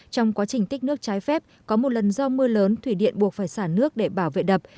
trong quá trình tích nước trái phép có một lần do mưa lớn thủy điện buộc phải xả nước để bảo vệ đập